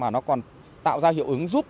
mà nó còn tạo ra hiệu ứng giúp